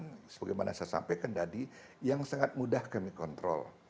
sebagaimana saya sampaikan tadi yang sangat mudah kami kontrol